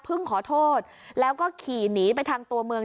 ขอโทษแล้วก็ขี่หนีไปทางตัวเมือง